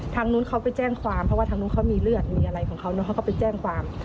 ทางนู้นเขาไปแจ้งความเพราะว่าทางนู้นเขามีเลือดมีอะไรของเขาแล้วเขาก็ไปแจ้งความ